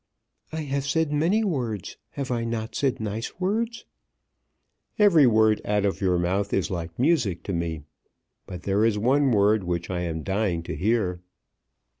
"I have said many words. Have I not said nice words?" "Every word out of your mouth is like music to me. But there is one word which I am dying to hear."